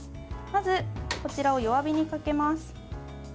まず、こちらを弱火にかけます。